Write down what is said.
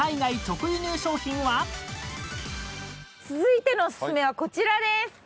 続いてのおすすめはこちらです。